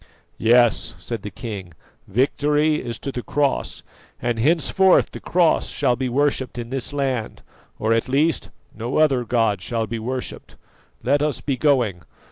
"Yes," said the king, "victory is to the Cross, and henceforth the Cross shall be worshipped in this land, or at least no other god shall be worshipped. Let us be going.